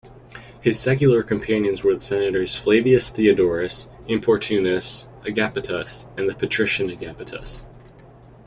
His secular companions were the senators Flavius Theodorus, Inportunus, Agapitus, and the patrician Agapitus.